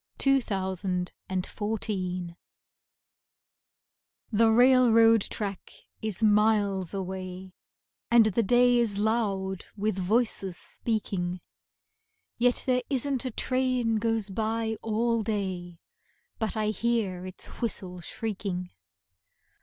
Edna St. Vincent Millay Travel THE railroad track is miles away, And the day is loud with voices speaking, Yet there isn't a train goes by all day But I hear its whistle shrieking.